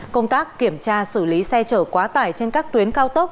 công tác kiểm tra xử lý xe chở quá tải trên các tuyến cao tốc